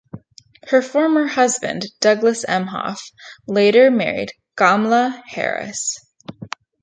Her former husband Douglas Emhoff later married Kamala Harris.